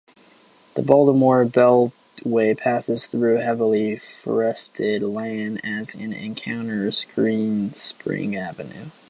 The Baltimore Beltway passes through heavily forested land as it encounters Greenspring Avenue.